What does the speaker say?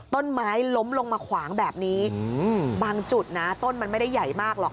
ต้นไม้ล้มลงมาขวางแบบนี้บางจุดนะต้นมันไม่ได้ใหญ่มากหรอก